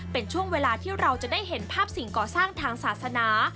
เป็นช่วงเวลาที่เราจะได้เห็นภาพสิ่งก่อสร้างทางศาสนา